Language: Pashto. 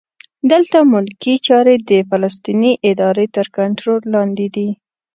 دلته ملکي چارې د فلسطیني ادارې تر کنټرول لاندې دي.